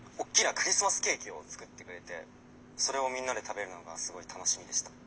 クリスマスケーキを作ってくれてそれをみんなで食べるのがすごい楽しみでした。